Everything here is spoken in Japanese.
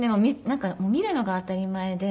なんか見るのが当たり前で。